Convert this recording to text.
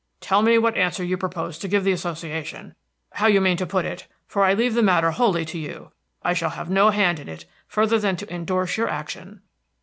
Tell me what answer you propose to give the Association, how you mean to put it; for I leave the matter wholly to you. I shall have no hand in it, further than to indorse your action."